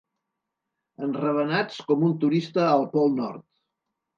Enravenats com un turista al Pol Nord.